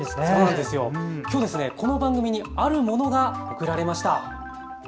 きょうこの番組にあるものが贈られました。